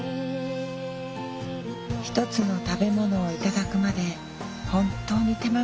一つの食べ物を頂くまで本当に手間がかかっていました。